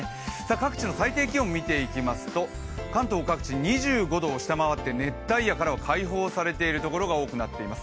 各地の最低気温を見ていきますと関東各地２５度を下回って熱帯夜からは解放されているところが多くなっています。